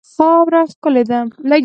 خاوره ښکلې ده.